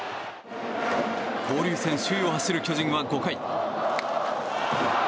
交流戦首位を走る巨人は５回。